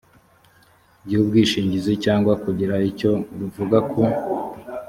by ubwishingizi cyangwa kugira icyo ruvuga ku